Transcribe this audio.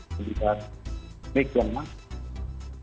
pendidikan mic yang mahal